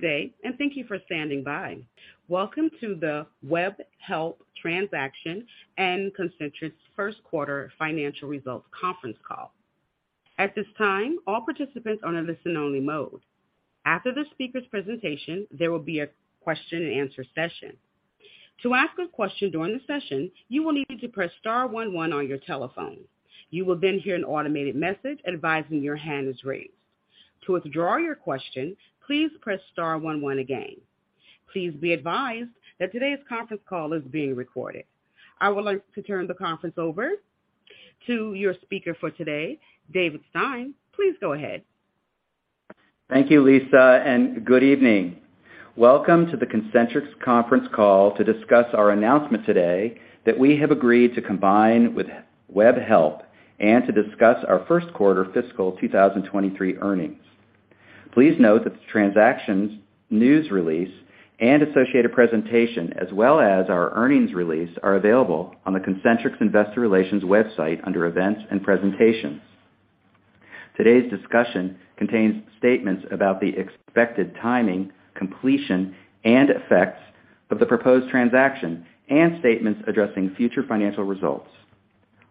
Day. Thank you for standing by. Welcome to the Webhelp Transaction and Concentrix First Quarter Financial Results conference call. At this time, all participants are in listen only mode. After the speaker's presentation, there will be a question and answer session. To ask a question during the session, you will need to press star one one on your telephone. You will then hear an automated message advising your hand is raised. To withdraw your question, please press star one one again. Please be advised that today's conference call is being recorded. I would like to turn the conference over to your speaker for today, David Stein. Please go ahead. Thank you, Lisa, and good evening. Welcome to the Concentrix conference call to discuss our announcement today that we have agreed to combine with Webhelp and to discuss our first quarter fiscal 2023 earnings. Please note that the transactions, news release and associated presentation, as well as our earnings release, are available on the Concentrix Investor Relations website under Events and Presentations. Today's discussion contains statements about the expected timing, completion and effects of the proposed transaction and statements addressing future financial results.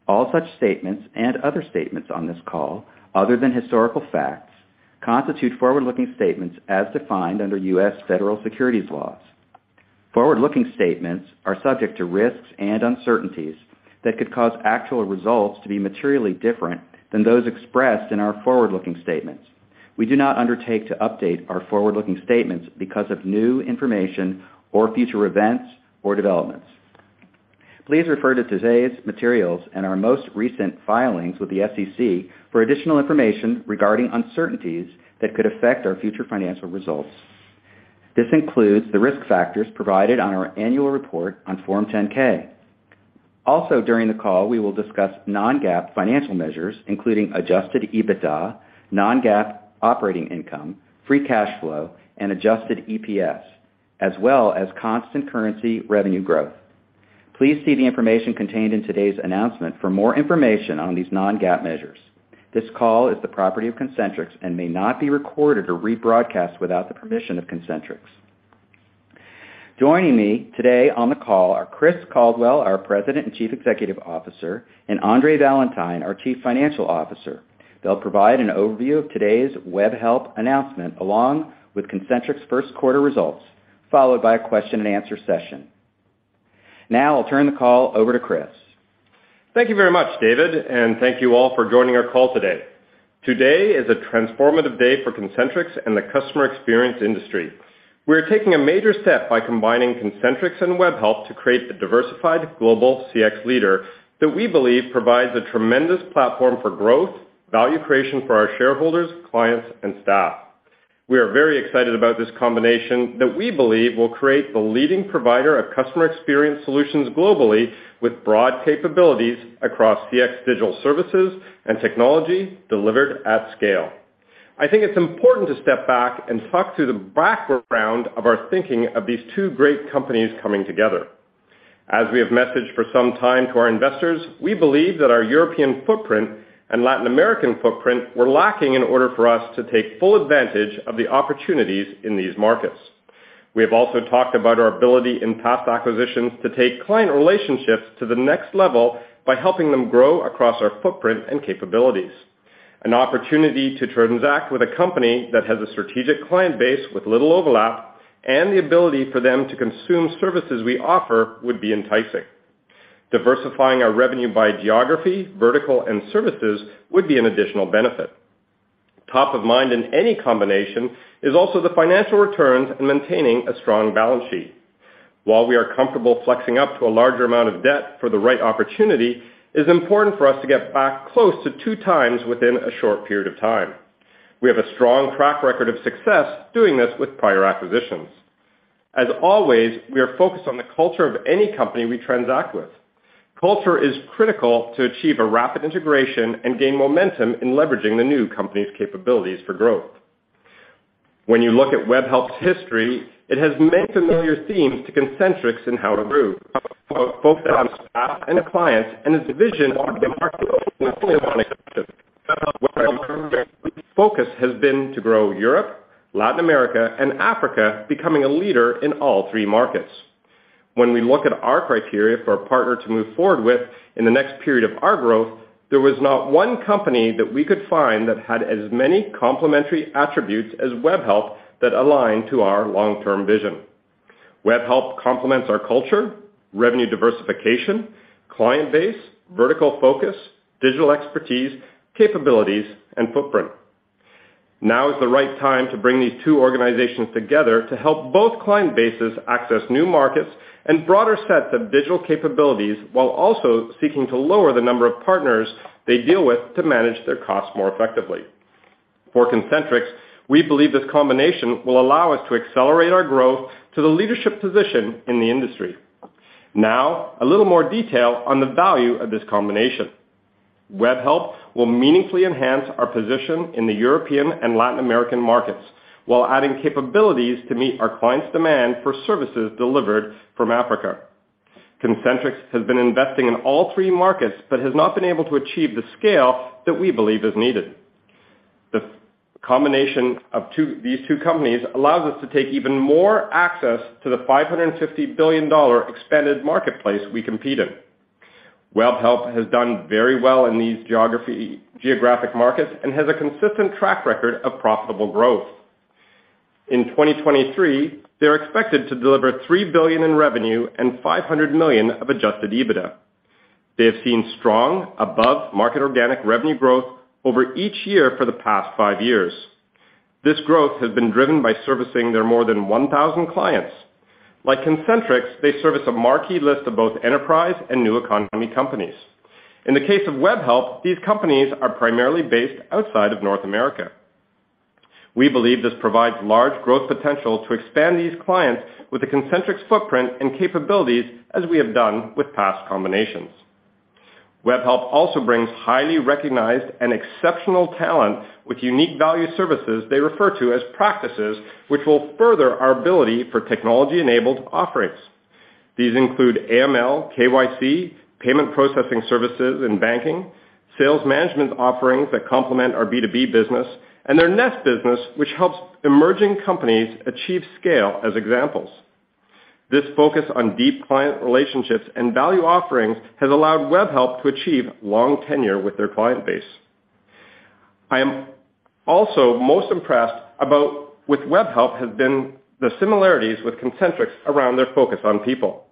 All such statements and other statements on this call, other than historical facts, constitute forward-looking statements as defined under U.S. federal securities laws. Forward-looking statements are subject to risks and uncertainties that could cause actual results to be materially different than those expressed in our forward-looking statements. We do not undertake to update our forward-looking statements because of new information or future events or developments. Please refer to today's materials and our most recent filings with the SEC for additional information regarding uncertainties that could affect our future financial results. This includes the risk factors provided on our annual report on Form 10-K. During the call, we will discuss non-GAAP financial measures, including adjusted EBITDA, non-GAAP operating income, free cash flow, and adjusted EPS, as well as constant currency revenue growth. Please see the information contained in today's announcement for more information on these non-GAAP measures. This call is the property of Concentrix and may not be recorded or rebroadcast without the permission of Concentrix. Joining me today on the call are Chris Caldwell, our President and Chief Executive Officer, and Andre Valentine, our Chief Financial Officer. They'll provide an overview of today's Webhelp announcement, along with Concentrix's first quarter results, followed by a question and answer session. Now I'll turn the call over to Chris. Thank you very much, David, and thank you all for joining our call today. Today is a transformative day for Concentrix and the customer experience industry. We are taking a major step by combining Concentrix and Webhelp to create the diversified global CX leader that we believe provides a tremendous platform for growth, value creation for our shareholders, clients and staff. We are very excited about this combination that we believe will create the leading provider of customer experience solutions globally with broad capabilities across CX digital services and technology delivered at scale. I think it's important to step back and talk to the background of our thinking of these two great companies coming together. As we have messaged for some time to our investors, we believe that our European footprint and Latin American footprint were lacking in order for us to take full advantage of the opportunities in these markets. We have also talked about our ability in past acquisitions to take client relationships to the next level by helping them grow across our footprint and capabilities. An opportunity to transact with a company that has a strategic client base with little overlap and the ability for them to consume services we offer would be enticing. Diversifying our revenue by geography, vertical and services would be an additional benefit. Top of mind in any combination is also the financial returns and maintaining a strong balance sheet. While we are comfortable flexing up to a larger amount of debt for the right opportunity, it is important for us to get back close to 2x within a short period of time. We have a strong track record of success doing this with prior acquisitions. As always, we are focused on the culture of any company we transact with. Culture is critical to achieve a rapid integration and gain momentum in leveraging the new company's capabilities for growth. When you look at Webhelp's history, it has many familiar themes to Concentrix in how to grow, both on staff and the clients and the division of the market. Focus has been to grow Europe, Latin America and Africa, becoming a leader in all three markets. When we look at our criteria for a partner to move forward with in the next period of our growth, there was not one company that we could find that had as many complementary attributes as Webhelp that align to our long term vision. Webhelp complements our culture, revenue diversification, client base, vertical focus, digital expertise, capabilities and footprint. Now is the right time to bring these two organizations together to help both client bases access new markets and broader sets of digital capabilities, while also seeking to lower the number of partners they deal with to manage their costs more effectively. For Concentrix, we believe this combination will allow us to accelerate our growth to the leadership position in the industry. Now a little more detail on the value of this combination. Webhelp will meaningfully enhance our position in the European and Latin American markets while adding capabilities to meet our clients demand for services delivered from Africa. Concentrix has been investing in all three markets, has not been able to achieve the scale that we believe is needed. The combination of these two companies allows us to take even more access to the $550 billion expanded marketplace we compete in. Webhelp has done very well in these geographic markets and has a consistent track record of profitable growth. In 2023, they're expected to deliver $3 billion in revenue and $500 million of adjusted EBITDA. They have seen strong above-market organic revenue growth over each year for the past five years. This growth has been driven by servicing their more than 1,000 clients. Like Concentrix, they service a marquee list of both enterprise and new economy companies. In the case of Webhelp, these companies are primarily based outside of North America. We believe this provides large growth potential to expand these clients with the Concentrix footprint and capabilities, as we have done with past combinations. Webhelp also brings highly recognized and exceptional talent with unique value services they refer to as practices, which will further our ability for technology-enabled offerings. These include AML, KYC, payment processing services and banking, sales management offerings that complement our B2B business, and their Nest business, which helps emerging companies achieve scale as examples. This focus on deep client relationships and value offerings has allowed Webhelp to achieve long tenure with their client base. I am also most impressed with Webhelp has been the similarities with Concentrix around their focus on people.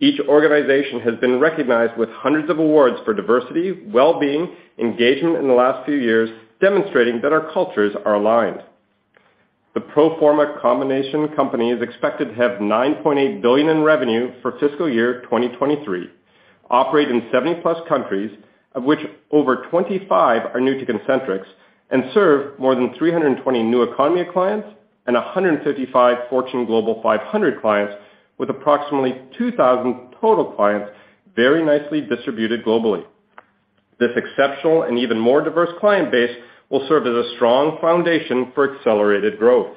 Each organization has been recognized with hundreds of awards for diversity, wellbeing, engagement in the last few years, demonstrating that our cultures are aligned. The pro forma combination company is expected to have $9.8 billion in revenue for fiscal year 2023, operate in 70+ countries, of which over 25 are new to Concentrix, and serve more than 320 new economy clients and 155 Fortune Global 500 clients with approximately 2,000 total clients very nicely distributed globally. This exceptional and even more diverse client base will serve as a strong foundation for accelerated growth.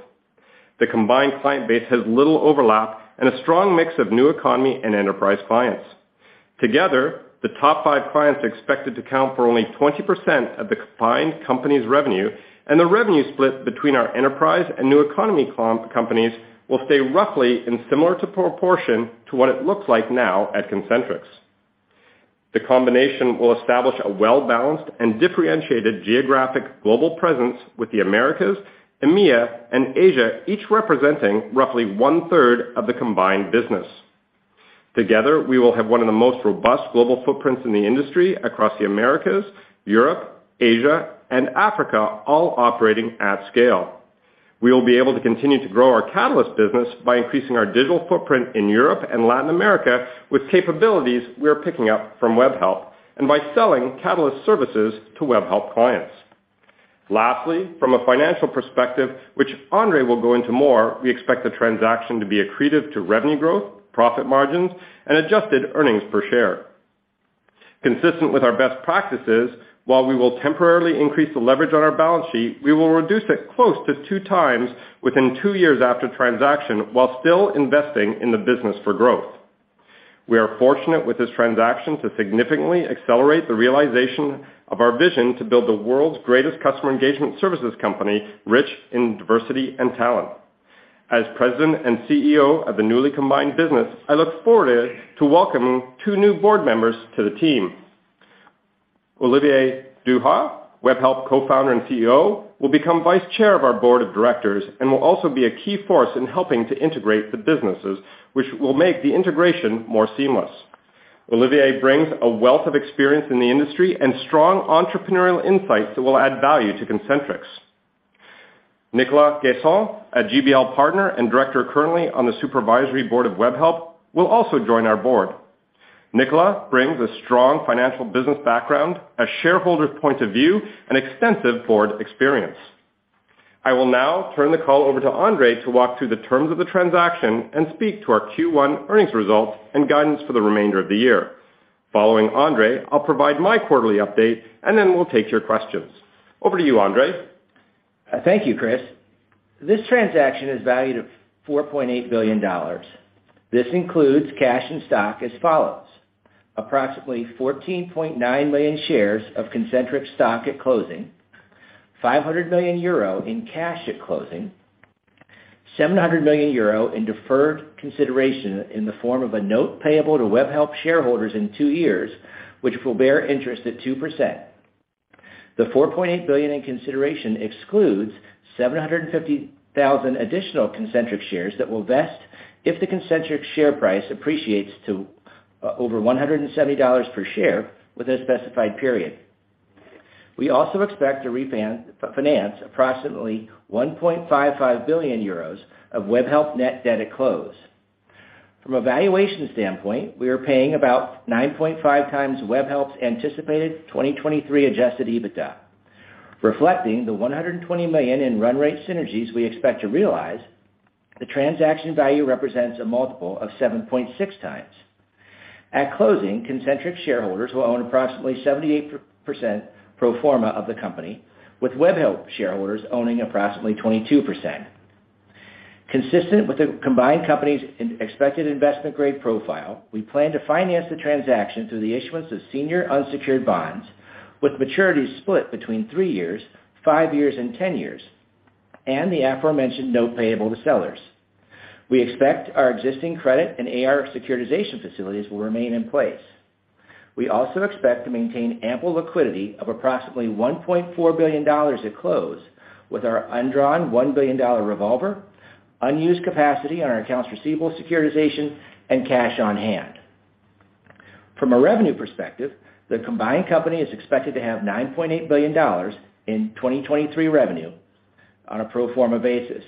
The combined client base has little overlap and a strong mix of new economy and enterprise clients. Together, the top five clients are expected to account for only 20% of the combined company's revenue. The revenue split between our enterprise and new economy companies will stay roughly in similar to proportion to what it looks like now at Concentrix. The combination will establish a well-balanced and differentiated geographic global presence with the Americas, EMEA, and Asia, each representing roughly 1/3 of the combined business. Together, we will have one of the most robust global footprints in the industry across the Americas, Europe, Asia, and Africa, all operating at scale. We will be able to continue to grow our Catalyst business by increasing our digital footprint in Europe and Latin America with capabilities we are picking up from Webhelp and by selling Catalyst services to Webhelp clients. Lastly, from a financial perspective, which Andre will go into more, we expect the transaction to be accretive to revenue growth, profit margins, and adjusted earnings per share. Consistent with our best practices, while we will temporarily increase the leverage on our balance sheet, we will reduce it close to 2x within two years after transaction while still investing in the business for growth. We are fortunate with this transaction to significantly accelerate the realization of our vision to build the world's greatest customer engagement services company, rich in diversity and talent. As President and CEO of the newly combined business, I look forward to welcome two new board members to the team. Olivier Duha, Webhelp Co-founder and CEO, will become Vice Chair of our Board of Directors and will also be a key force in helping to integrate the businesses, which will make the integration more seamless. Olivier brings a wealth of experience in the industry and strong entrepreneurial insights that will add value to Concentrix. Nicolas Gheysens, a GBL partner and director currently on the supervisory board of Webhelp, will also join our board. Nicolas brings a strong financial business background, a shareholder's point of view, and extensive board experience. I will now turn the call over to Andre to walk through the terms of the transaction and speak to our Q1 earnings results and guidance for the remainder of the year. Following Andre, I'll provide my quarterly update, and then we'll take your questions. Over to you, Andre. Thank you, Chris. This transaction is valued at $4.8 billion. This includes cash and stock as follows: approximately 14.9 million shares of Concentrix stock at closing, 500 million euro in cash at closing, 700 million euro in deferred consideration in the form of a note payable to Webhelp shareholders in two years, which will bear interest at 2%. The $4.8 billion in consideration excludes 750,000 additional Concentrix shares that will vest if the Concentrix share price appreciates to over $170 per share within a specified period. We also expect to finance approximately 1.55 billion euros of Webhelp net debt at close. From a valuation standpoint, we are paying about 9.5x Webhelp's anticipated 2023 adjusted EBITDA. Reflecting the $120 million in run rate synergies we expect to realize, the transaction value represents a multiple of 7.6x. At closing, Concentrix shareholders will own approximately 78% pro forma of the company, with Webhelp shareholders owning approximately 22%. Consistent with the combined company's expected investment-grade profile, we plan to finance the transaction through the issuance of senior unsecured bonds with maturities split between three years, five years, and 10 years, and the aforementioned note payable to sellers. We expect our existing credit and AR securitization facilities will remain in place. We also expect to maintain ample liquidity of approximately $1.4 billion at close with our undrawn $1 billion revolver, unused capacity on our accounts receivable securitization, and cash on hand. From a revenue perspective, the combined company is expected to have $9.8 billion in 2023 revenue on a pro forma basis.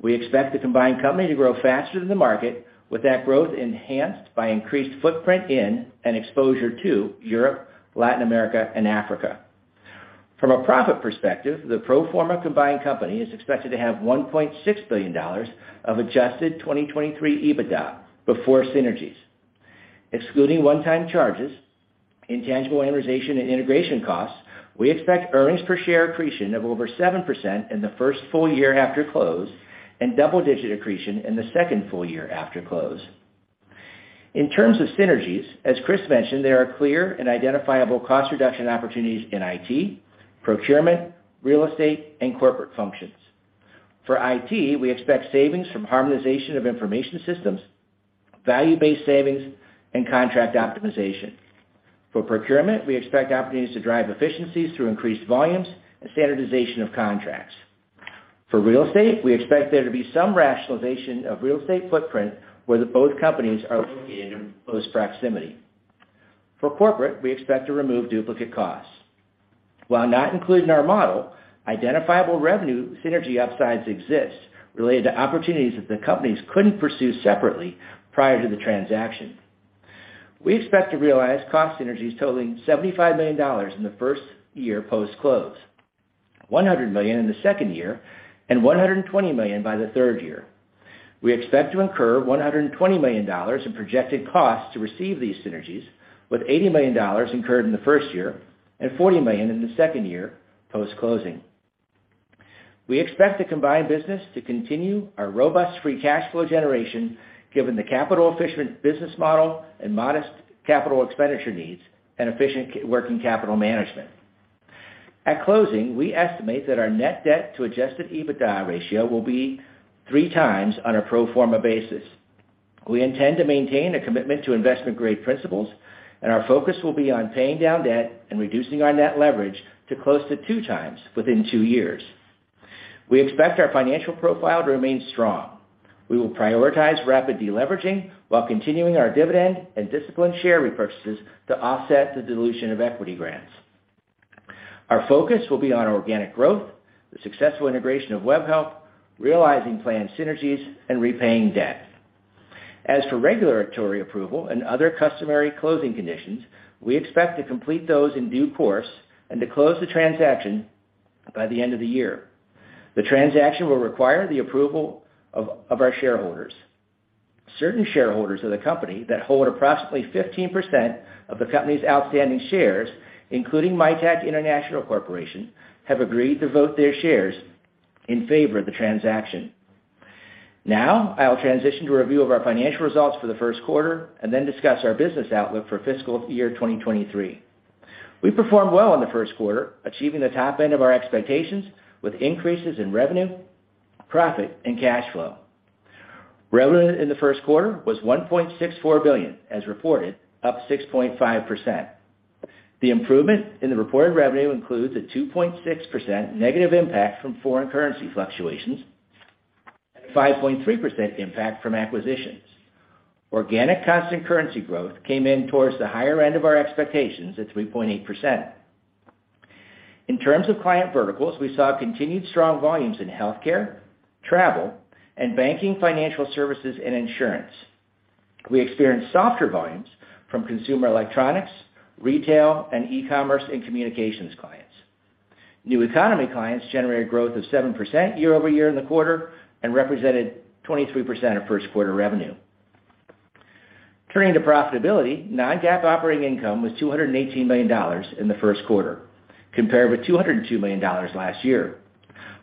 We expect the combined company to grow faster than the market, with that growth enhanced by increased footprint in and exposure to Europe, Latin America, and Africa. From a profit perspective, the pro forma combined company is expected to have $1.6 billion of adjusted 2023 EBITDA before synergies. Excluding one-time charges, intangible amortization, and integration costs, we expect earnings per share accretion of over 7% in the first full year after close and double-digit accretion in the second full year after close. In terms of synergies, as Chris mentioned, there are clear and identifiable cost reduction opportunities in IT, procurement, real estate, and corporate functions. For IT, we expect savings from harmonization of information systems, value-based savings, and contract optimization. For procurement, we expect opportunities to drive efficiencies through increased volumes and standardization of contracts. For real estate, we expect there to be some rationalization of real estate footprint where the both companies are located in close proximity. For corporate, we expect to remove duplicate costs. While not included in our model, identifiable revenue synergy upsides exist related to opportunities that the companies couldn't pursue separately prior to the transaction. We expect to realize cost synergies totaling $75 million in the first year post-close, $100 million in the second year, and $120 million by the third year. We expect to incur $120 million in projected costs to receive these synergies, with $80 million incurred in the first year and $40 million in the second year post-closing. We expect the combined business to continue our robust free cash flow generation given the capital-efficient business model and modest capital expenditure needs and efficient working capital management. At closing, we estimate that our net debt to adjusted EBITDA ratio will be 3x on a pro forma basis. We intend to maintain a commitment to investment-grade principles, and our focus will be on paying down debt and reducing our net leverage to close to 2x within two years. We expect our financial profile to remain strong. We will prioritize rapid deleveraging while continuing our dividend and disciplined share repurchases to offset the dilution of equity grants. Our focus will be on organic growth, the successful integration of Webhelp, realizing planned synergies, and repaying debt. As for regulatory approval and other customary closing conditions, we expect to complete those in due course and to close the transaction by the end of the year. The transaction will require the approval of our shareholders. Certain shareholders of the company that hold approximately 15% of the company's outstanding shares, including MiTek International Corporation, have agreed to vote their shares in favor of the transaction. I'll transition to a review of our financial results for the first quarter and then discuss our business outlook for fiscal year 2023. We performed well in the first quarter, achieving the top end of our expectations with increases in revenue, profit, and cash flow. Revenue in the first quarter was $1.64 billion, as reported, up 6.5%. The improvement in the reported revenue includes a 2.6% negative impact from foreign currency fluctuations and a 5.3% impact from acquisitions. Organic constant currency growth came in towards the higher end of our expectations at 3.8%. In terms of client verticals, we saw continued strong volumes in healthcare, travel, and banking, financial services, and insurance. We experienced softer volumes from consumer electronics, retail, and e-commerce and communications clients. New economy clients generated growth of 7% year-over-year in the quarter and represented 23% of first quarter revenue. Turning to profitability, non-GAAP operating income was $218 million in the first quarter, compared with $202 million last year.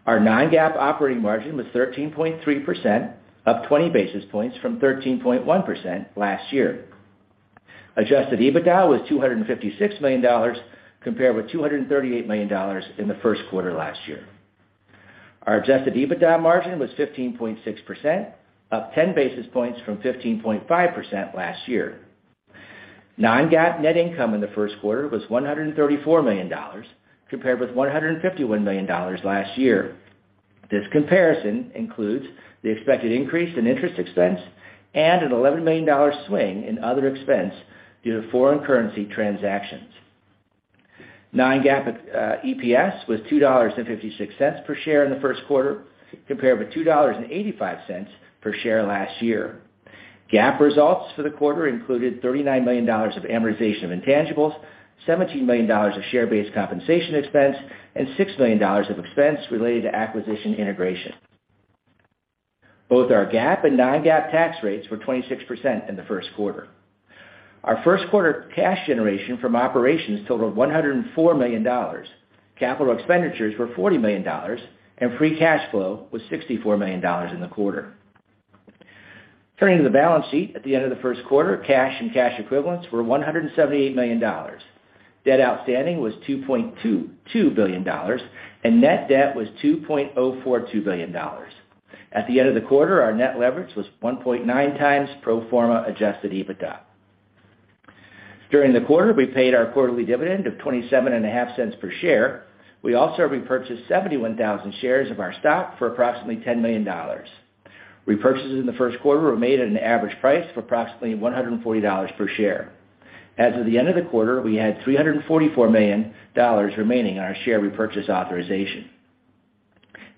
Our non-GAAP operating margin was 13.3%, up 20 basis points from 13.1% last year. Adjusted EBITDA was $256 million, compared with $238 million in the first quarter last year. Our adjusted EBITDA margin was 15.6%, up 10 basis points from 15.5% last year. non-GAAP net income in the first quarter was $134 million, compared with $151 million last year. This comparison includes the expected increase in interest expense and an $11 million swing in other expense due to foreign currency transactions. non-GAAP EPS was $2.56 per share in the first quarter, compared with $2.85 per share last year. GAAP results for the quarter included $39 million of amortization of intangibles, $17 million of share-based compensation expense, and $6 million of expense related to acquisition integration. Both our GAAP and non-GAAP tax rates were 26% in the first quarter. Our first quarter cash generation from operations totaled $104 million. Capital expenditures were $40 million, and free cash flow was $64 million in the quarter. Turning to the balance sheet, at the end of the first quarter, cash and cash equivalents were $178 million. Debt outstanding was $2.22 billion, and net debt was $2.042 billion. At the end of the quarter, our net leverage was 1.9 times pro forma adjusted EBITDA. During the quarter, we paid our quarterly dividend of $0.275 per share. We also repurchased 71,000 shares of our stock for approximately $10 million. Repurchases in the first quarter were made at an average price of approximately $140 per share. As of the end of the quarter, we had $344 million remaining on our share repurchase authorization.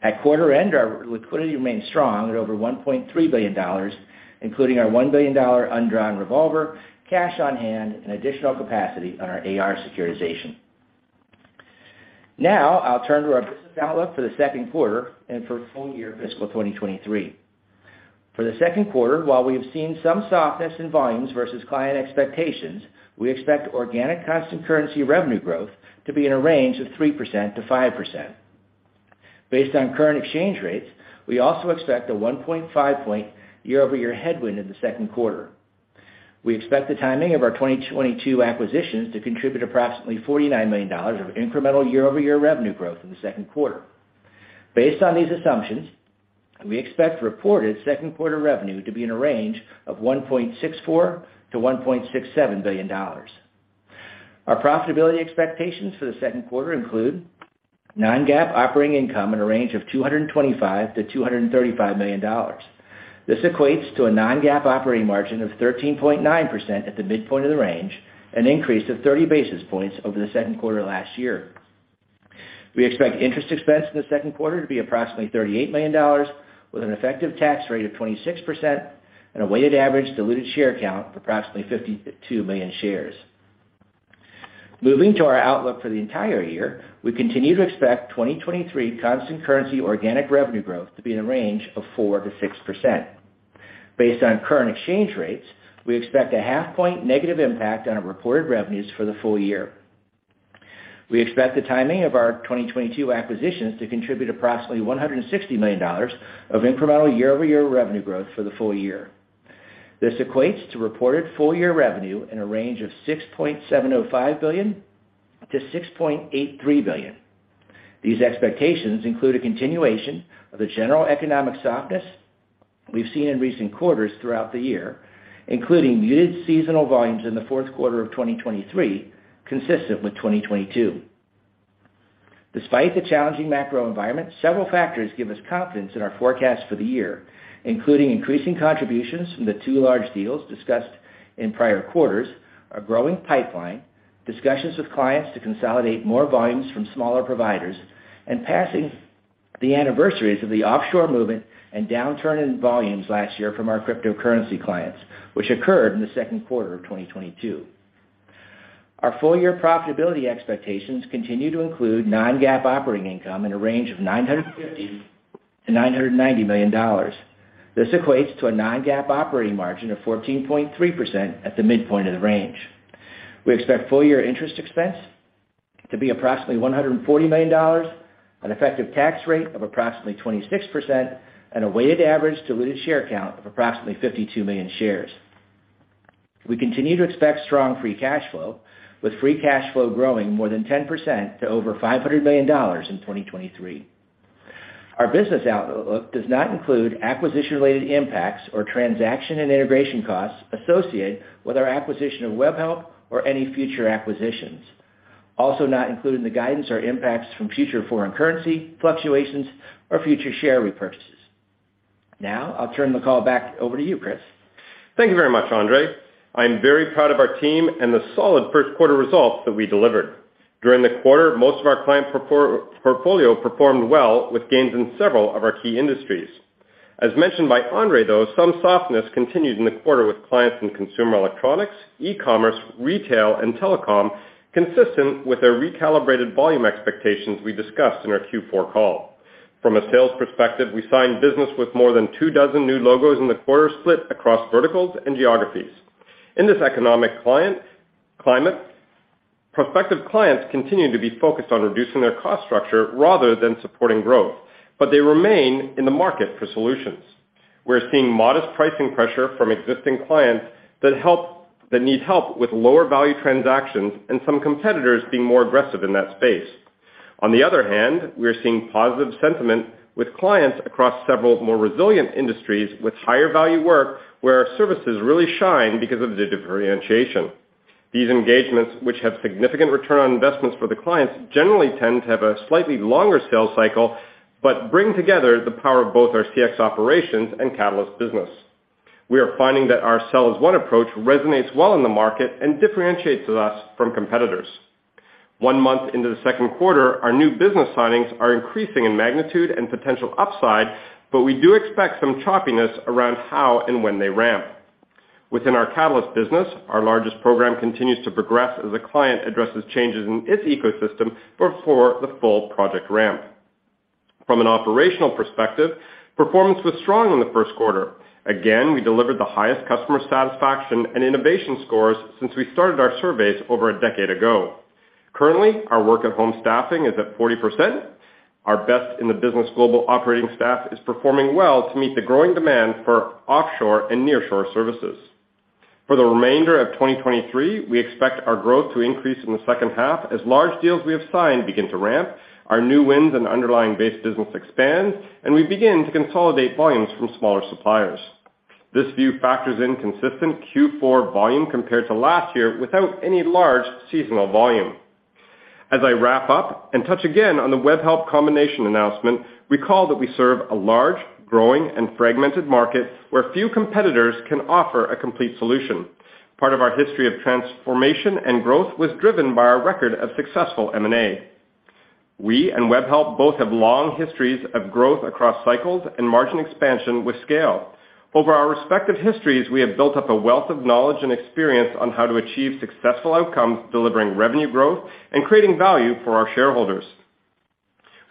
At quarter end, our liquidity remained strong at over $1.3 billion, including our $1 billion undrawn revolver, cash on hand, and additional capacity on our AR securitization. I'll turn to our business outlook for the second quarter and for full year fiscal 2023. For the second quarter, while we have seen some softness in volumes versus client expectations, we expect organic constant currency revenue growth to be in a range of 3%-5%. Based on current exchange rates, we also expect a 1.5 percentage point year-over-year headwind in the second quarter. We expect the timing of our 2022 acquisitions to contribute approximately $49 million of incremental year-over-year revenue growth in the second quarter. Based on these assumptions, we expect reported second quarter revenue to be in a range of $1.64 billion-$1.67 billion. Our profitability expectations for the second quarter include non-GAAP operating income in a range of $225 million-$235 million. This equates to a non-GAAP operating margin of 13.9% at the midpoint of the range, an increase of 30 basis points over the second quarter last year. We expect interest expense in the second quarter to be approximately $38 million, with an effective tax rate of 26% and a weighted average diluted share count of approximately 52 million shares. Moving to our outlook for the entire year, we continue to expect 2023 constant currency organic revenue growth to be in a range of 4%-6%. Based on current exchange rates, we expect a 0.5 point negative impact on our reported revenues for the full year. We expect the timing of our 2022 acquisitions to contribute approximately $160 million of incremental year-over-year revenue growth for the full year. This equates to reported full year revenue in a range of $6.705 billion-$6.83 billion. These expectations include a continuation of the general economic softness we've seen in recent quarters throughout the year, including muted seasonal volumes in the fourth quarter of 2023, consistent with 2022. Despite the challenging macro environment, several factors give us confidence in our forecast for the year, including increasing contributions from the two large deals discussed in prior quarters, a growing pipeline, discussions with clients to consolidate more volumes from smaller providers, and passing the anniversaries of the offshore movement and downturn in volumes last year from our cryptocurrency clients, which occurred in the second quarter of 2022. Our full year profitability expectations continue to include non-GAAP operating income in a range of $950 million-$990 million. This equates to a non-GAAP operating margin of 14.3% at the midpoint of the range. We expect full year interest expense to be approximately $140 million, an effective tax rate of approximately 26%, and a weighted average diluted share count of approximately 52 million shares. We continue to expect strong free cash flow, with free cash flow growing more than 10% to over $500 million in 2023. Our business outlook does not include acquisition-related impacts or transaction and integration costs associated with our acquisition of Webhelp or any future acquisitions. Also not included in the guidance are impacts from future foreign currency fluctuations or future share repurchases. I'll turn the call back over to you, Chris. Thank you very much, Andre. I'm very proud of our team and the solid first quarter results that we delivered. During the quarter, most of our client portfolio performed well with gains in several of our key industries. As mentioned by Andre, though, some softness continued in the quarter with clients in consumer electronics, e-commerce, retail, and telecom, consistent with their recalibrated volume expectations we discussed in our Q4 call. From a sales perspective, we signed business with more than two dozen new logos in the quarter split across verticals and geographies. In this economic client climate, prospective clients continue to be focused on reducing their cost structure rather than supporting growth, but they remain in the market for solutions. We're seeing modest pricing pressure from existing clients that need help with lower value transactions and some competitors being more aggressive in that space. On the other hand, we are seeing positive sentiment with clients across several more resilient industries with higher value work where our services really shine because of the differentiation. These engagements, which have significant return on investments for the clients, generally tend to have a slightly longer sales cycle but bring together the power of both our CX operations and Catalyst business. We are finding that our sell-as-one approach resonates well in the market and differentiates us from competitors. One month into the second quarter, our new business signings are increasing in magnitude and potential upside, but we do expect some choppiness around how and when they ramp. Within our Catalyst business, our largest program continues to progress as the client addresses changes in its ecosystem before the full project ramp. From an operational perspective, performance was strong in the first quarter. We delivered the highest customer satisfaction and innovation scores since we started our surveys over a decade ago. Currently, our work-at-home staffing is at 40%. Our best-in-the-business global operating staff is performing well to meet the growing demand for offshore and nearshore services. For the remainder of 2023, we expect our growth to increase in the second half as large deals we have signed begin to ramp, our new wins and underlying base business expands, and we begin to consolidate volumes from smaller suppliers. This view factors in consistent Q4 volume compared to last year without any large seasonal volume. As I wrap up and touch again on the Webhelp combination announcement, recall that we serve a large, growing, and fragmented market where few competitors can offer a complete solution. Part of our history of transformation and growth was driven by our record of successful M&A. We and Webhelp both have long histories of growth across cycles and margin expansion with scale. Over our respective histories, we have built up a wealth of knowledge and experience on how to achieve successful outcomes, delivering revenue growth and creating value for our shareholders.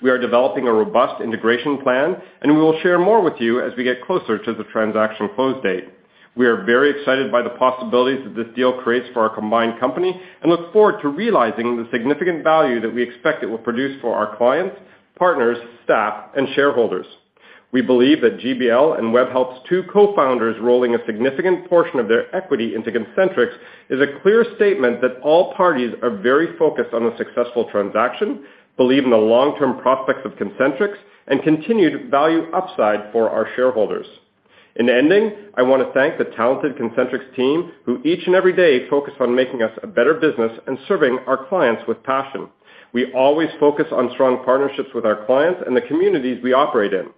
We are developing a robust integration plan. We will share more with you as we get closer to the transaction close date. We are very excited by the possibilities that this deal creates for our combined company and look forward to realizing the significant value that we expect it will produce for our clients, partners, staff, and shareholders. We believe that GBL and Webhelp's two cofounders rolling a significant portion of their equity into Concentrix is a clear statement that all parties are very focused on the successful transaction, believe in the long-term prospects of Concentrix, and continued value upside for our shareholders. In ending, I wanna thank the talented Concentrix team, who each and every day focus on making us a better business and serving our clients with passion. We always focus on strong partnerships with our clients and the communities we operate in,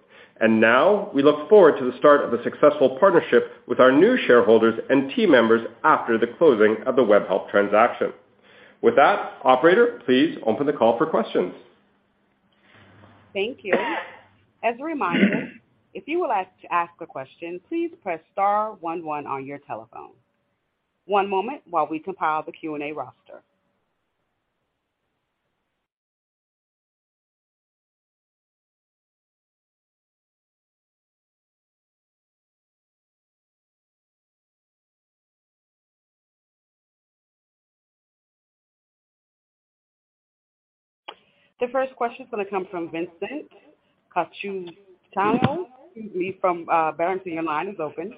now we look forward to the start of a successful partnership with our new shareholders and team members after the closing of the Webhelp transaction. With that, operator, please open the call for questions. Thank you. As a reminder, if you would like to ask a question, please press star one one on your telephone. One moment while we compile the Q&A roster. The first question is gonna come from Vincent Colicchio. Excuse me, from Barrington. Your line is open.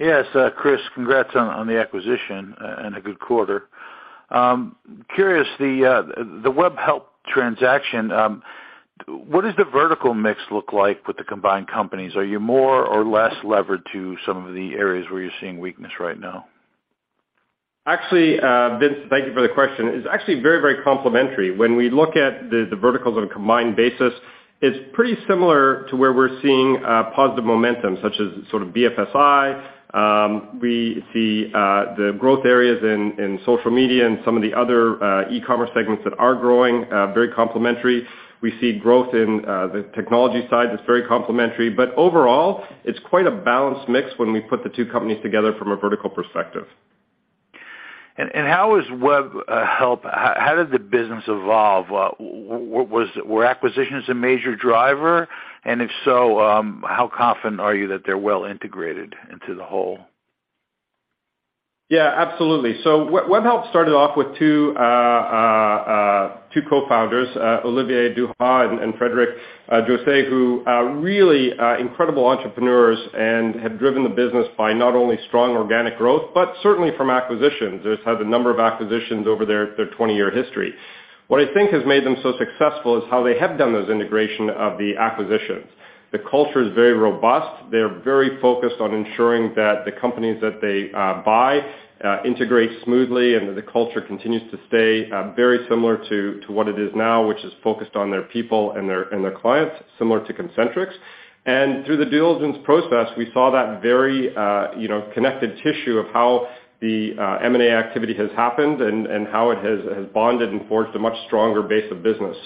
Yes, Chris, congrats on the acquisition and a good quarter. Curious, the Webhelp transaction, what does the vertical mix look like with the combined companies? Are you more or less levered to some of the areas where you're seeing weakness right now? Actually, Vince, thank you for the question. It's actually very, very complementary. When we look at the verticals on a combined basis, it's pretty similar to where we're seeing positive momentum, such as sort of BFSI. We see the growth areas in social media and some of the other e-commerce segments that are growing very complementary. We see growth in the technology side that's very complementary. Overall, it's quite a balanced mix when we put the two companies together from a vertical perspective. How did Webhelp evolve? Were acquisitions a major driver? If so, how confident are you that they're well integrated into the whole? Absolutely. Webhelp started off with two cofounders, Olivier Duha and Frédéric Jousset, who are really incredible entrepreneurs and have driven the business by not only strong organic growth but certainly from acquisitions. They've had a number of acquisitions over their 20-year history. What I think has made them so successful is how they have done those integration of the acquisitions. The culture is very robust. They're very focused on ensuring that the companies that they buy integrate smoothly and that the culture continues to stay very similar to what it is now, which is focused on their people and their clients, similar to Concentrix. Through the due diligence process, we saw that very, you know, connected tissue of how the M&A activity has happened and how it has bonded and forged a much stronger base of business.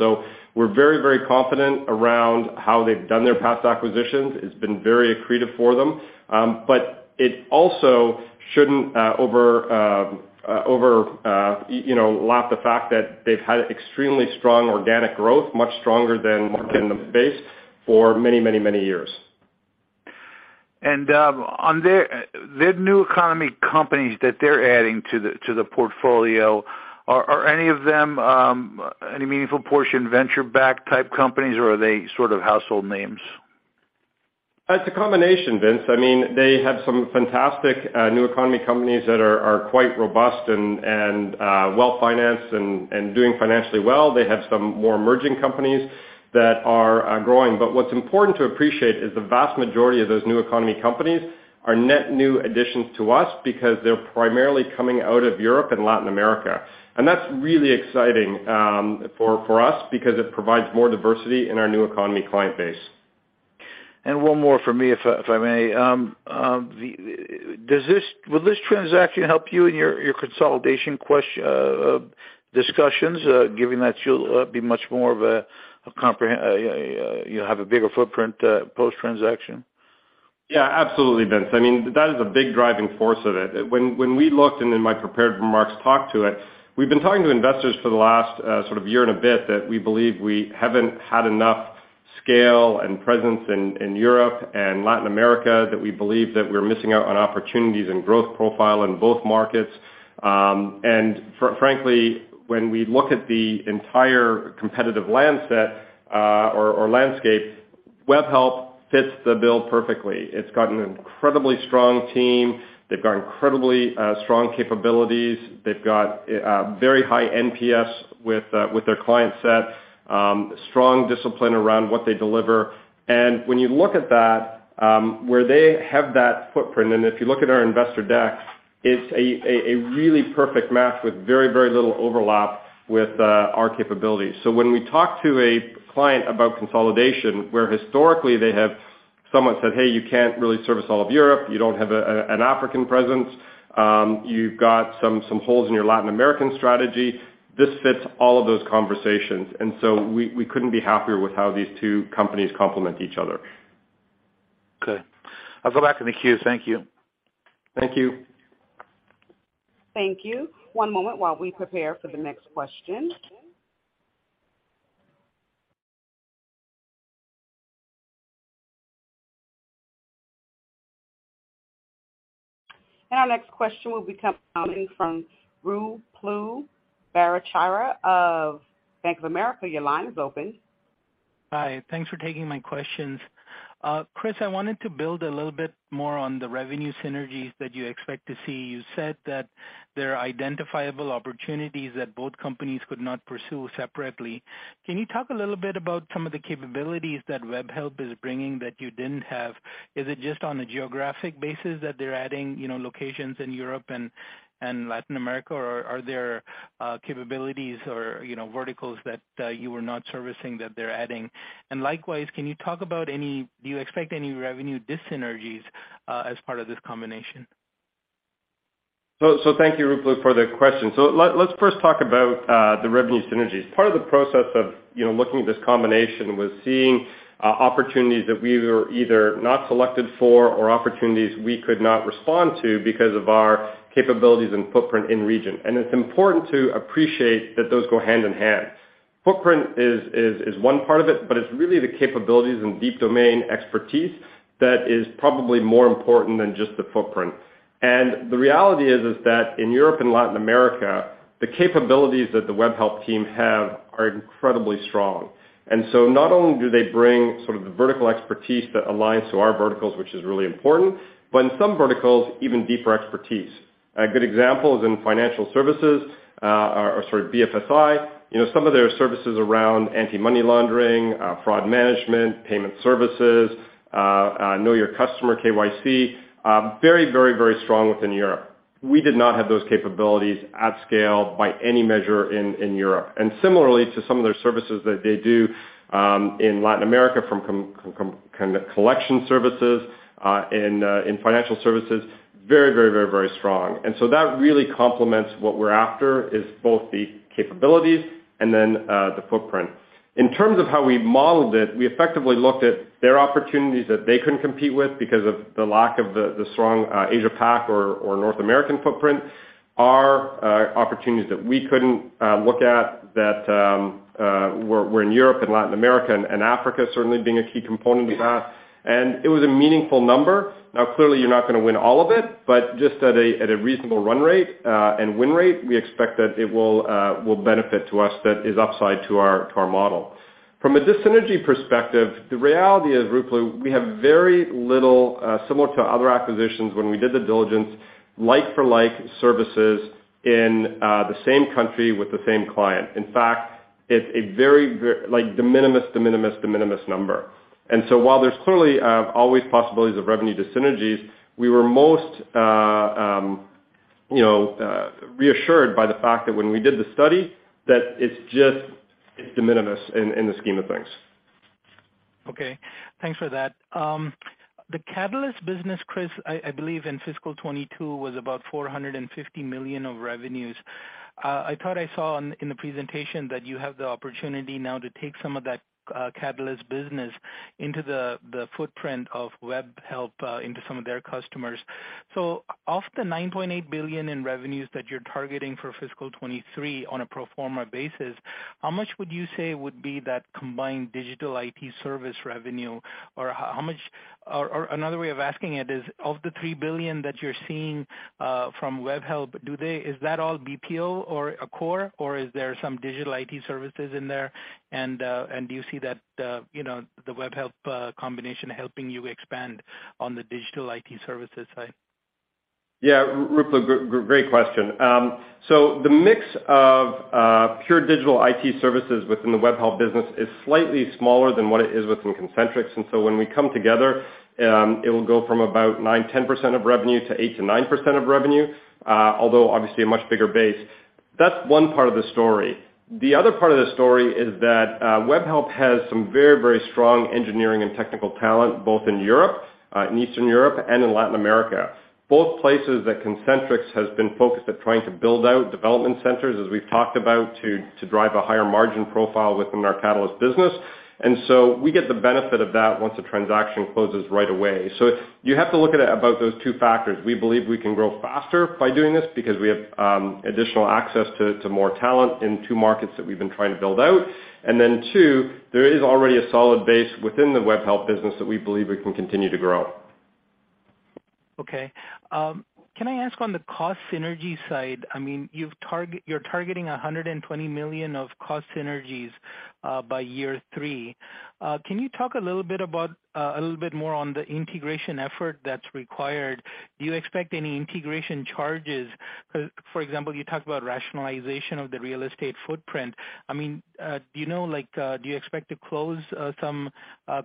We're very, very confident around how they've done their past acquisitions. It's been very accretive for them. It also shouldn't over, you know, lack the fact that they've had extremely strong organic growth, much stronger than the market and the base for many, many, many years. On the new economy companies that they're adding to the portfolio, are any of them any meaningful portion venture-backed type companies, or are they sort of household names? It's a combination, Vince. I mean, they have some fantastic new economy companies that are quite robust and well-financed and doing financially well. They have some more emerging companies that are growing. What's important to appreciate is the vast majority of those new economy companies are net new additions to us because they're primarily coming out of Europe and Latin America. That's really exciting for us because it provides more diversity in our new economy client base. One more from me, if I may. Will this transaction help you in your consolidation discussions, given that you'll have a bigger footprint post-transaction? Yeah, absolutely, Vince. I mean, that is a big driving force of it. When we looked, and in my prepared remarks talked to it, we've been talking to investors for the last, sort of year and a bit that we believe we haven't had enough scale and presence in Europe and Latin America, that we believe that we're missing out on opportunities and growth profile in both markets. frankly, when we look at the entire competitive landscape, Webhelp fits the bill perfectly. It's got an incredibly strong team. They've got incredibly strong capabilities. They've got very high NPS with their client set, strong discipline around what they deliver. When you look at that, where they have that footprint, and if you look at our investor deck, it's a really perfect match with very, very little overlap with our capabilities. When we talk to a client about consolidation, where historically they have somewhat said, "Hey, you can't really service all of Europe. You don't have an African presence. You've got some holes in your Latin American strategy." This fits all of those conversations, we couldn't be happier with how these two companies complement each other. Okay. I'll go back in the queue. Thank you. Thank you. Thank you. One moment while we prepare for the next question. Our next question will be coming from Ruplu Bhattacharya of Bank of America. Your line is open. Hi. Thanks for taking my questions. Chris, I wanted to build a little bit more on the revenue synergies that you expect to see. You said that there are identifiable opportunities that both companies could not pursue separately. Can you talk a little bit about some of the capabilities that Webhelp is bringing that you didn't have? Is it just on a geographic basis that they're adding, you know, locations in Europe and Latin America, or are there capabilities or, you know, verticals that you were not servicing that they're adding? Likewise, can you talk about do you expect any revenue dyssynergies as part of this combination? Thank you, Ruplu, for the question. Let's first talk about the revenue synergies. Part of the process of, you know, looking at this combination was seeing opportunities that we were either not selected for or opportunities we could not respond to because of our capabilities and footprint in region. It's important to appreciate that those go hand in hand. Footprint is one part of it, but it's really the capabilities and deep domain expertise that is probably more important than just the footprint. The reality is that in Europe and Latin America, the capabilities that the Webhelp team have are incredibly strong. Not only do they bring sort of the vertical expertise that aligns to our verticals, which is really important, but in some verticals, even deeper expertise. A good example is in financial services, or sorry, BFSI. You know, some of their services around anti-money laundering, fraud management, payment services, know your customer, KYC, very, very strong within Europe. We did not have those capabilities at scale by any measure in Europe. Similarly to some of their services that they do in Latin America from kind of collection services in financial services, very, very strong. That really complements what we're after is both the capabilities and then the footprint. In terms of how we modeled it, we effectively looked at their opportunities that they couldn't compete with because of the lack of the strong Asia Pac or North American footprint. Our opportunities that we couldn't look at that were in Europe and Latin America and Africa certainly being a key component of that. It was a meaningful number. Clearly, you're not gonna win all of it, but just at a reasonable run rate, and win rate, we expect that it will benefit to us that is upside to our model. From a dyssynergy perspective, the reality is, Ruplu, we have very little, similar to other acquisitions when we did the diligence, like for like services in the same country with the same client. In fact, it's a very de minimis number. While there's clearly, always possibilities of revenue dyssynergies, we were most, you know, reassured by the fact that when we did the study, that it's just de minimis in the scheme of things. Thanks for that. The Catalyst business, Chris, I believe in fiscal 2022 was about $450 million of revenues. I thought I saw in the presentation that you have the opportunity now to take some of that Catalyst business into the footprint of Webhelp, into some of their customers. Of the $9.8 billion in revenues that you're targeting for fiscal 2023 on a pro forma basis, how much would you say would be that combined digital IT service revenue, or another way of asking it is, of the $3 billion that you're seeing from Webhelp, is that all BPO or core, or is there some digital IT services in there? Do you see that, you know, the Webhelp combination helping you expand on the digital IT services side? Yeah. Ruplu, great question. The mix of pure digital IT services within the Webhelp business is slightly smaller than what it is within Concentrix. When we come together, it'll go from about 9%-10% of revenue to 8%-9% of revenue, although obviously a much bigger base. That's one part of the story. The other part of the story is that Webhelp has some very, very strong engineering and technical talent, both in Europe, in Eastern Europe and in Latin America, both places that Concentrix has been focused at trying to build out development centers, as we've talked about, to drive a higher margin profile within our Catalyst business. We get the benefit of that once the transaction closes right away. You have to look at it about those two factors. We believe we can grow faster by doing this because we have additional access to more talent in two markets that we've been trying to build out. Two, there is already a solid base within the Webhelp business that we believe we can continue to grow. Okay. Can I ask on the cost synergy side, I mean, you're targeting $120 million of cost synergies by year three. Can you talk a little bit about a little bit more on the integration effort that's required? Do you expect any integration charges? For example, you talk about rationalization of the real estate footprint. I mean, do you know, like, do you expect to close some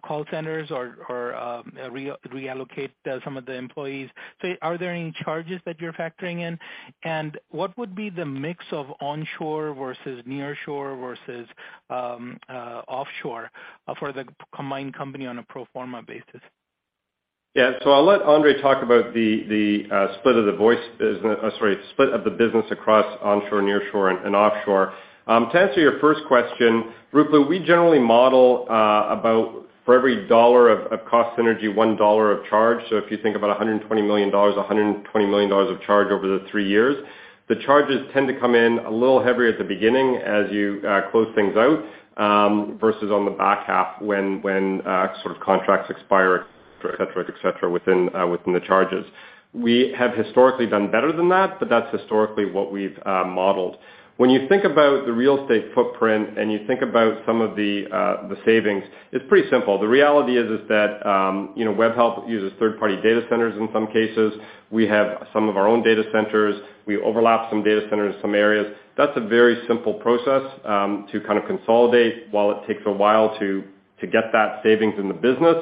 call centers or reallocate some of the employees? Are there any charges that you're factoring in? What would be the mix of onshore versus nearshore versus offshore for the combined company on a pro forma basis? I'll let Andre talk about the split of the voice business, sorry, split of the business across onshore, nearshore, and offshore. To answer your first question, Ruplu, we generally model about for every dollar of cost synergy, $1 of charge. If you think about $120 million, $120 million of charge over the three years. The charges tend to come in a little heavier at the beginning as you close things out versus on the back half when sort of contracts expire, et cetera, et cetera, within the charges. We have historically done better than that, but that's historically what we've modeled. When you think about the real estate footprint and you think about some of the savings, it's pretty simple. The reality is that, you know, Webhelp uses third-party data centers in some cases. We have some of our own data centers. We overlap some data centers in some areas. That's a very simple process to kind of consolidate. While it takes a while to get that savings in the business,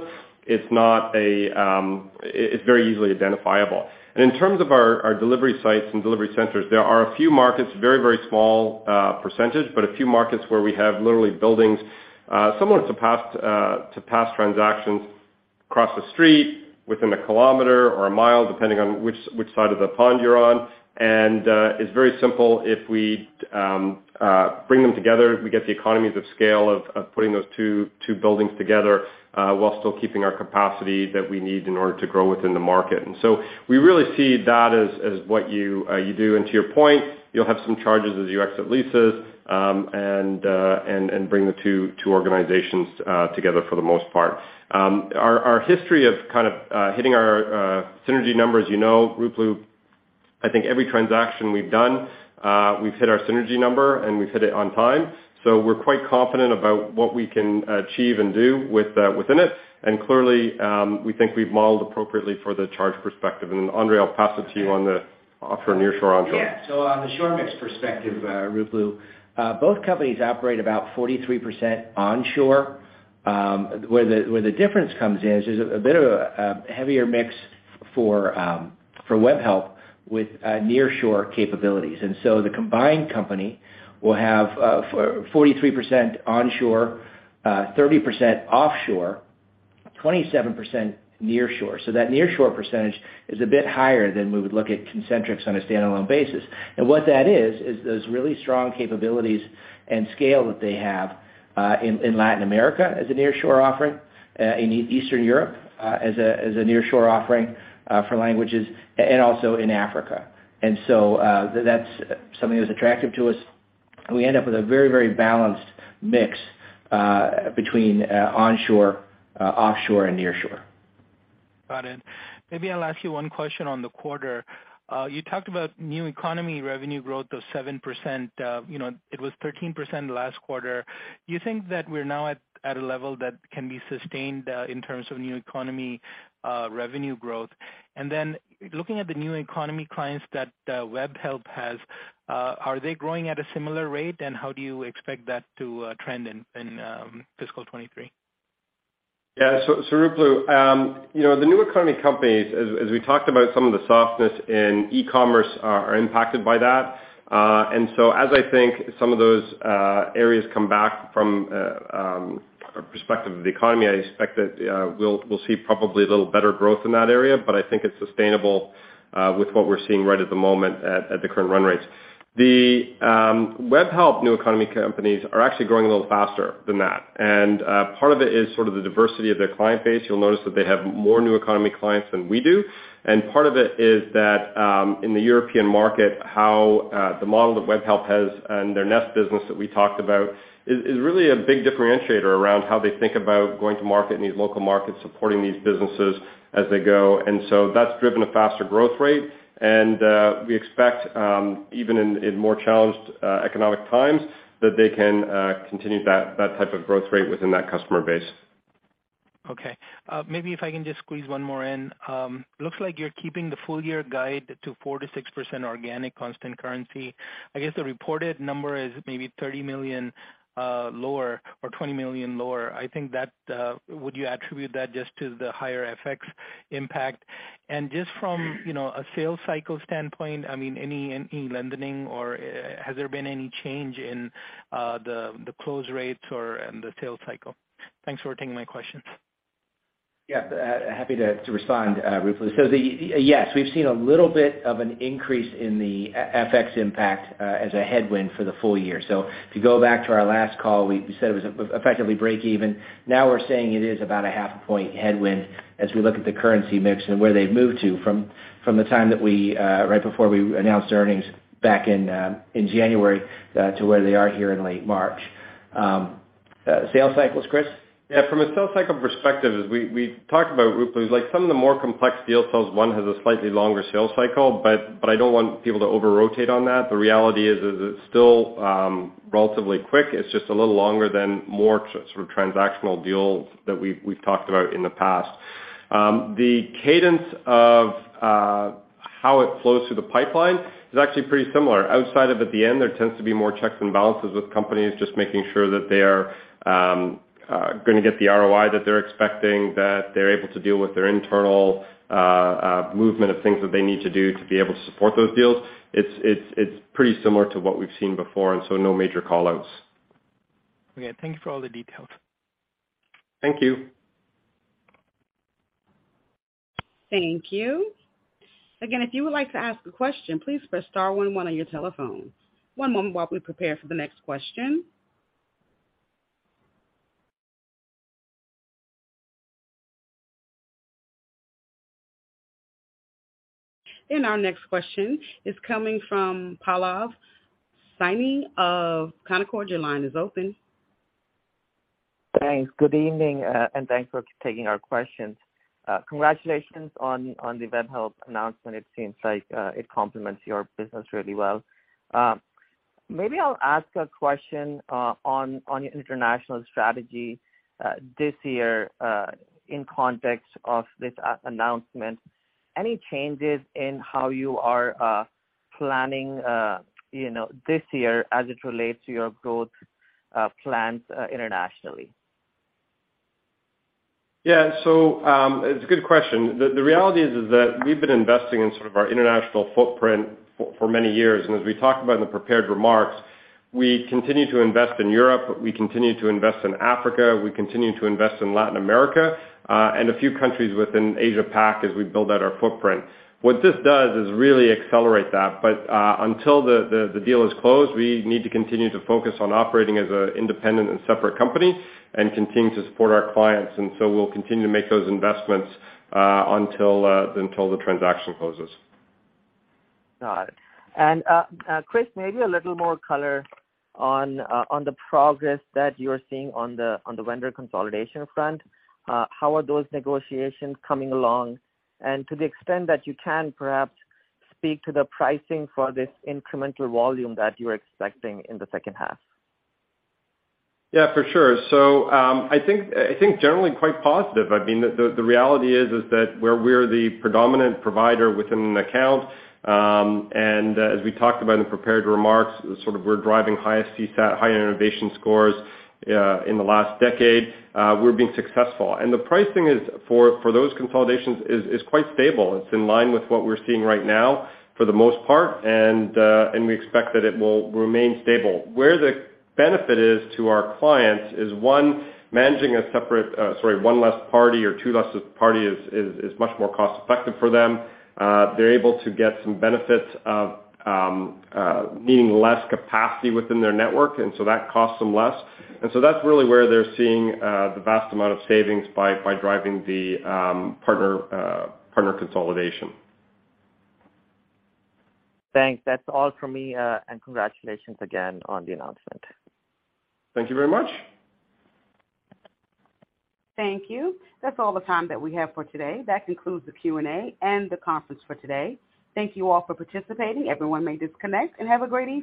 it's not a, it's very easily identifiable. In terms of our delivery sites and delivery centers, there are a few markets, very, very small percentage, but a few markets where we have literally buildings, similar to past transactions across the street, within a kilometer or a mile, depending on which side of the pond you're on. It's very simple. If we bring them together, we get the economies of scale of putting those two buildings together, while still keeping our capacity that we need in order to grow within the market. We really see that as what you do. To your point, you'll have some charges as you exit leases, and bring the two organizations together for the most part. Our history of kind of hitting our synergy numbers, you know, Ruplu, I think every transaction we've done, we've hit our synergy number and we've hit it on time. We're quite confident about what we can achieve and do within it. Clearly, we think we've modeled appropriately for the charge perspective. Andre, I'll pass it to you on the offshore, nearshore, onshore. Yeah. On the shore mix perspective, Ruplu, both companies operate about 43% onshore. Where the difference comes in is there's a bit of a heavier mix for Webhelp with nearshore capabilities. The combined company will have 43% onshore, 30% offshore, 27% nearshore. That nearshore percentage is a bit higher than we would look at Concentrix on a standalone basis. What that is those really strong capabilities and scale that they have in Latin America as a nearshore offering, in Eastern Europe, as a nearshore offering, for languages, and also in Africa. That's something that's attractive to us. We end up with a very, very balanced mix between onshore, offshore, and nearshore. Got it. Maybe I'll ask you one question on the quarter. You talked about new economy revenue growth of 7%. you know, it was 13% last quarter. You think that we're now at a level that can be sustained in terms of new economy revenue growth? Looking at the new economy clients that Webhelp has, are they growing at a similar rate? How do you expect that to trend in fiscal 2023? Ruplu, you know, the new economy companies, as we talked about some of the softness in e-commerce are impacted by that. As I think some of those areas come back from a perspective of the economy, I expect that we'll see probably a little better growth in that area. I think it's sustainable with what we're seeing right at the moment at the current run rates. The Webhelp new economy companies are actually growing a little faster than that. Part of it is sort of the diversity of their client base. You'll notice that they have more new economy clients than we do. Part of it is that, in the European market, how the model that Webhelp has and their Nest business that we talked about is really a big differentiator around how they think about going to market in these local markets, supporting these businesses as they go. That's driven a faster growth rate. We expect even in more challenged economic times that they can continue that type of growth rate within that customer base. Okay. Maybe if I can just squeeze one more in. Looks like you're keeping the full year guide to 4%-6% organic constant currency. I guess the reported number is maybe $30 million lower or $20 million lower. I think that, would you attribute that just to the higher FX impact? Just from, you know, a sales cycle standpoint, I mean, any lending or has there been any change in the close rates or in the sales cycle? Thanks for taking my questions. Happy to respond, Ruplu. Yes, we've seen a little bit of an increase in the FX impact as a headwind for the full year. To go back to our last call, we said it was effectively break even. Now we're saying it is about a half a point headwind as we look at the currency mix and where they've moved to from the time that we right before we announced earnings back in January to where they are here in late March. Sales cycles, Chris? Yeah, from a sales cycle perspective, as we talked about, Ruplu, like some of the more complex deal flows, one has a slightly longer sales cycle, but I don't want people to over rotate on that. The reality is it's still relatively quick. It's just a little longer than more sort of transactional deals that we've talked about in the past. The cadence of how it flows through the pipeline is actually pretty similar. Outside of at the end, there tends to be more checks and balances with companies just making sure that they are gonna get the ROI that they're expecting, that they're able to deal with their internal movement of things that they need to do to be able to support those deals. It's pretty similar to what we've seen before. No major call outs. Okay. Thank you for all the details. Thank you. Thank you. Again, if you would like to ask a question, please press star one one on your telephone. One moment while we prepare for the next question. Our next question is coming from Pallav Saini of Cowen. Your line is open. Thanks. Good evening, and thanks for taking our questions. Congratulations on the Webhelp announcement. It seems like it complements your business really well. Maybe I'll ask a question on your international strategy this year in context of this announcement. Any changes in how you are planning, you know, this year as it relates to your growth plans internationally? Yeah. It's a good question. The reality is that we've been investing in sort of our international footprint for many years. As we talked about in the prepared remarks, we continue to invest in Europe, we continue to invest in Africa, we continue to invest in Latin America, and a few countries within Asia Pac as we build out our footprint. What this does is really accelerate that. Until the deal is closed, we need to continue to focus on operating as a independent and separate company and continue to support our clients. We'll continue to make those investments until the transaction closes. Got it. Chris, maybe a little more color on the progress that you're seeing on the vendor consolidation front. How are those negotiations coming along? To the extent that you can perhaps speak to the pricing for this incremental volume that you're expecting in the second half. Yeah, for sure. I think generally quite positive. I mean, the reality is that we're the predominant provider within an account. As we talked about in the prepared remarks, sort of we're driving high CSAT, high innovation scores in the last decade. We're being successful. The pricing is for those consolidations is quite stable. It's in line with what we're seeing right now for the most part, we expect that it will remain stable. Where the benefit is to our clients is, one, managing a separate, sorry, one less party or two less party is much more cost effective for them. They're able to get some benefits of needing less capacity within their network, that costs them less. That's really where they're seeing the vast amount of savings by driving the partner consolidation. Thanks. That's all from me. Congratulations again on the announcement. Thank you very much. Thank you. That's all the time that we have for today. That concludes the Q&A and the conference for today. Thank you all for participating. Everyone may disconnect and have a great evening.